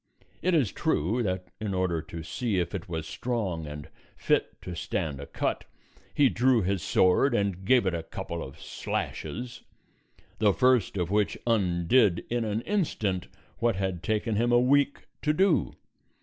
It is true that in order to see if it was strong and fit to stand a cut he drew his sword and gave it a couple of slashes, the first of which undid in an instant what had taken him a week to do.